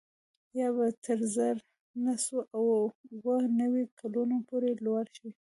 یا به تر زر نه سوه اووه نوي کلونو پورې لوړ شي